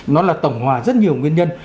và rất nhiều nguyên nhân